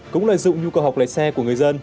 cũng lợi dụng nhu cầu học lấy xe của người dân